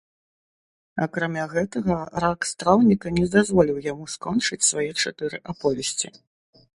Акрамя гэтага, рак страўніка не дазволіў яму скончыць свае чатыры аповесці.